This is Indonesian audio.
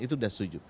itu udah setuju